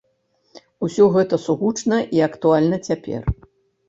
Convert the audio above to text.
Усё гэта сугучна і актуальна цяпер.